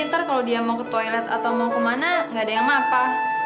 ntar kalau dia mau ke toilet atau mau kemana nggak ada yang ngapa